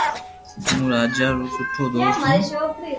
ھون راجا رو سٺو دوست ھون